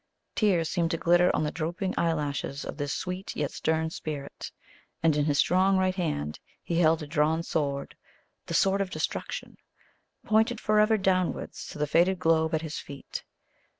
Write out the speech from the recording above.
Tears seemed to glitter on the drooping lashes of this sweet yet stern Spirit; and in his strong right hand he held a drawn sword the sword of destruction pointed forever downwards to the fated globe at his feet.